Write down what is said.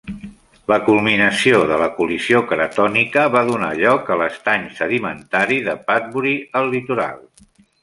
La culminació de la col·lisió cratònica va donar lloc a l'estany sedimentari de Padbury al litoral.